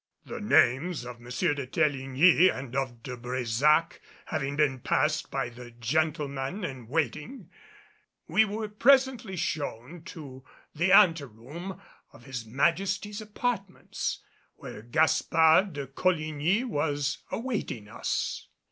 The names of M. de Teligny and of De Brésac having been passed by the gentlemen in waiting, we were presently shown into the anteroom of his Majesty's apartments, where Gaspard de Coligny was awaiting us.